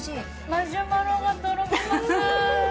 マシュマロがとろけます。